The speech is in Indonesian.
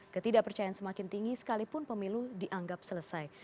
ketidakpercayaan semakin tinggi sekalipun pemilu dianggap selesai